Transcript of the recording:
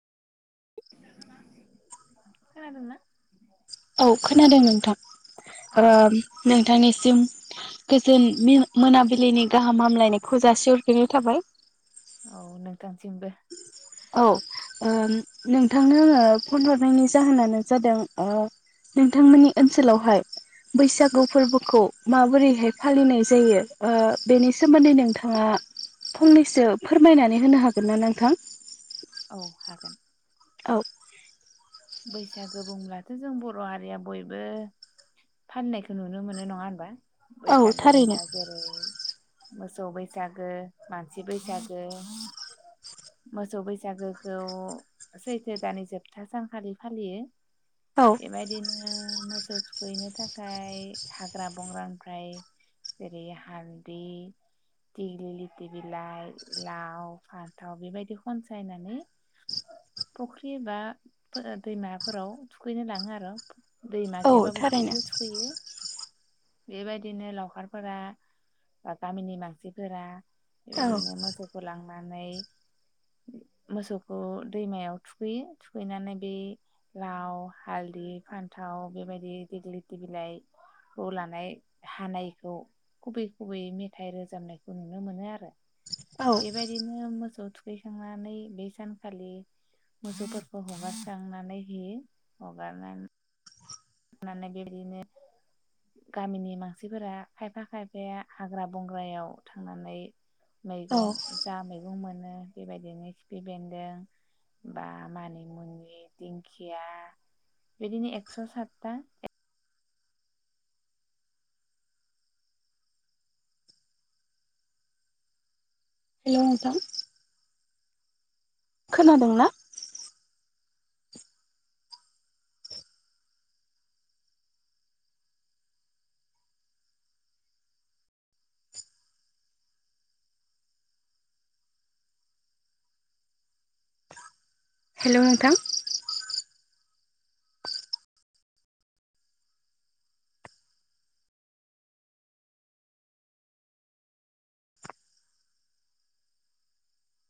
खानादोंना? औ खोनादों नोंथां। अ ओ नोंथांनि- जों गोजोन मिना मोनाबिलिनि गाहाम हामलायनायखौ जासिहरग्रोनाय थाबाय औ नोंथांसिमबो औ ओ नोंथांनो आङो फन हरनायनि जाहोनानो जादों ओ नोंथांमोननि ओनसोलावहाय बैसागु फोरबोखौ माबोरैहाय फालिनाय जायो ओ बेनि सोमोन्दै नोंथाङा फंनैसो फोरमायनानै होनो हाग हागोनना नोंथां औ हागोन औ बैसागो बुंब्लाथ' जों बर' हारिया बयबो फाननायखौ नुनो मोनो नङा होनबा औ बेैसागो थारैनो बुंब्ला जेरै मोसौ बैसागो मानसि बैसागो मोसौ बैसागोखौ सैथो दानि जोबथा सान खालि फालियो औ बेबायदिनो मोसौ थुखैनो थाखाय हाग्रा बंग्रानिफ्राय जेरै हालदै दिग्लि लिथि बिलाइ लाव फानथाव बेबायदि खनसायनानै फुख्रि बा दैमाफोराव थुखैनो लाङो आरो दैमा औ गैयाबाबो थारैनो फख्रियाव थुखैयो बेबायदिनो लावखारफोरा बा गामिनि मानसिफोरा औ बेबायदिनो मोसौखौ लां नानै मोसौखौ दैमायाव थुखैयो थुखैनानै बे लाव हालदै फान्थाव बेबायदि देग्लिथि बिलाइखौ लानाय हानायखौ खुबै खुबै मेथाइ रोजाबनायखौ नुनो मोनो आरो औ बेबायदिनो मो सौ थुखैखांनानै बे सानखालि मोसौ खौ हगारस्रांनानै होयो हगारनानै नानै बेबायदिनो गामिनि मानसिफोरा खायफा खायफाया हाग्रा बंग्रायाव थांनानै औ मैगं जा मैगं मोनो बेबायदिनो खिफि बेन्दों बा मानिमुनि दिंखिया बिदिनो एक्स' साथ था हेलौ नोंथां खोनादोंना हेलौ नोंथां